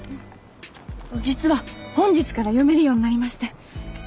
実は本日から読めるようになりまして。